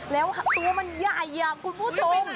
แล้วตัวมันใหญ่คุณผู้ชม